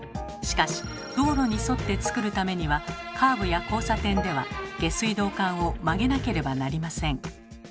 しかし道路に沿ってつくるためにはカーブや交差点では下水道管を曲げなければなりません。